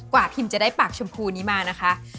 พิมจะได้ปากชมพูนี้มานะคะ